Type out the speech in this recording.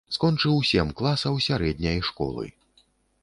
Скончыў сем класаў сярэдняй школы.